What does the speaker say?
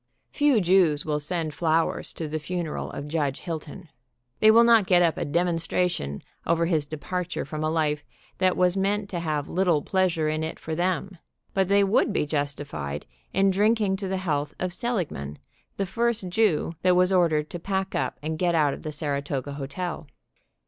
Few Jews will send flowers to the funeral of Judge Hilton. They will not get up a demonstration over his departure from a life that was meant to have little pleasure in it for them, but they would be justified in drinking to the health of Seligman, the first Jew that was ordered to pack up and get out of the Saratoga hotel.